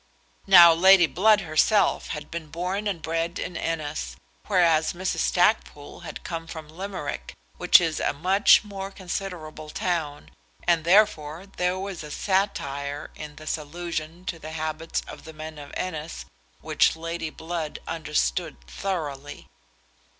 Now Lady Blood herself had been born and bred in Ennis, whereas Mrs. Stackpoole had come from Limerick, which is a much more considerable town, and therefore there was a satire in this allusion to the habits of the men of Ennis which Lady Blood understood thoroughly.